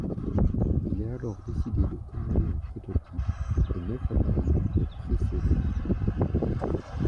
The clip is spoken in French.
Il est alors décidé de commander un prototype et neuf appareils de présérie.